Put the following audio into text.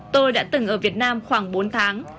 tôi đã từng ở việt nam khoảng bốn tháng